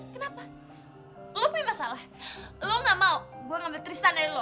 kenapa lo punya masalah lo gak mau gue ngambil tristan dari lo